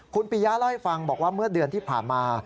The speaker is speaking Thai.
คุณปียะเล่าให้ฟังบอกว่าเมื่อเดือนที่ผ่านมา